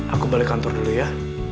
aku balik kantor dulu ya